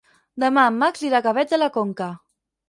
Demà en Max irà a Gavet de la Conca.